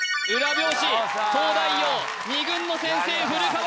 表紙東大王２軍の先生古川